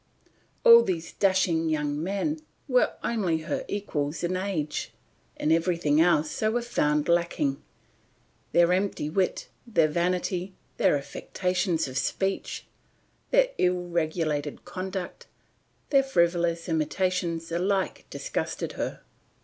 All these dashing young men were only her equals in age, in everything else they were found lacking; their empty wit, their vanity, their affectations of speech, their ill regulated conduct, their frivolous imitations alike disgusted her.